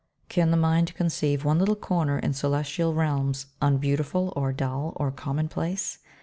Can the mind conceive One little corner in celestial realms Unbeautiful, or dull or commonplace?